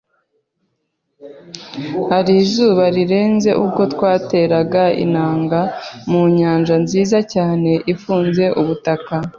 Hari izuba rirenze ubwo twateraga inanga mu nyanja nziza cyane ifunze ubutaka,